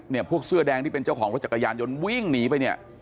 พวกเสื้อแดงที่เป็นเจ้าของรถจักรยานยนต์วิ่งหนีไปเนี่ย